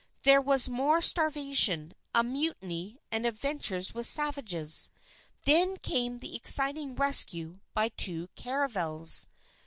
There was more starvation, a mutiny, and adventures with savages. Then came the exciting rescue by two caravels.